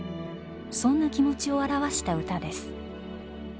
そんな気持ちを表した歌です。